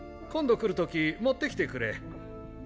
今度来る時持ってきてくれ。